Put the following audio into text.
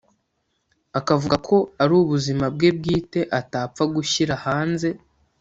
akavuga ko ari ubuzima bwe bwite atapfa gushyira hanze